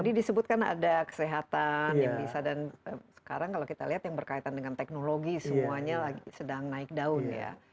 tadi disebutkan ada kesehatan yang bisa dan sekarang kalau kita lihat yang berkaitan dengan teknologi semuanya sedang naik daun ya